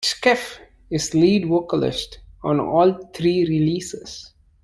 Scheff is lead vocalist on all three releases.